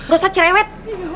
gak usah cerewet